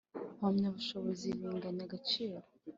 Mpamyabushobozi binganya agaciro.